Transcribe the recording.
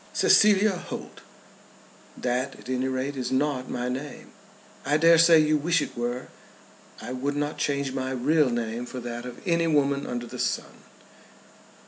"Cecilia Holt " "That at any rate is not my name." "I dare say you wish it were." "I would not change my real name for that of any woman under the sun."